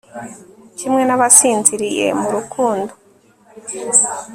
kimwe n'abasinziriye mu rukundo